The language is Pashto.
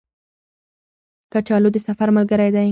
کچالو د سفر ملګری دی